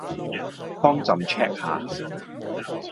幫朕 check 吓